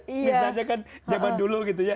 bisa saja kan zaman dulu gitu ya